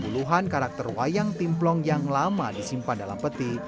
puluhan karakter wayang timplong yang lama disimpan dalam peti